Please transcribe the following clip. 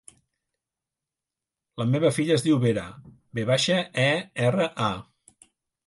La meva filla es diu Vera: ve baixa, e, erra, a.